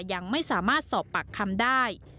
ยังไม่สามารถสอบปากคำได้